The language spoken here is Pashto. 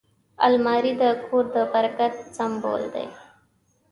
الماري د کور د برکت سمبول دی